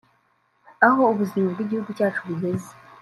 aho ubuzima bw’igihugu cyacu bugeze